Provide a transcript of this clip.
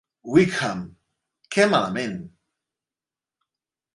Wickham, què malament"